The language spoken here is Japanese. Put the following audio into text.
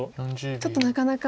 ちょっとなかなか。